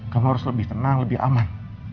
kamu harus lebih tenang lebih aman